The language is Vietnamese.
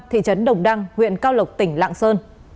thị trấn đồng đăng huyện cao lộc tỉnh lạng sơn